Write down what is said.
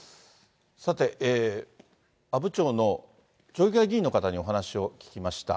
さて、阿武町の町議会議員の方にお話を聞きました。